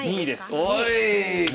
おい！